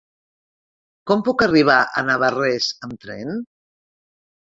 Com puc arribar a Navarrés amb tren?